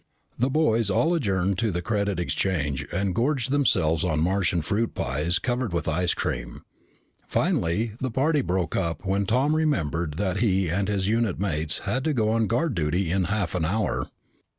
The boys all adjourned to the credit exchange and gorged themselves on Martian fruit pies covered with ice cream. Finally the party broke up when Tom remembered that he and his unit mates had to go on guard duty in half an hour.